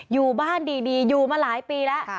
อยู่บ้านดีอยู่มาหลายปีแล้ว